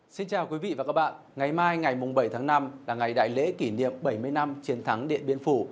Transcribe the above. xin chào quý vị và các bạn ngày mai ngày bảy tháng năm là ngày đại lễ kỷ niệm bảy mươi năm chiến thắng điện biên phủ